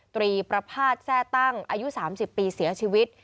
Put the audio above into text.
ตรีประพาทแทร่ตั้งอายุ๓๐ปีเสียชีวิต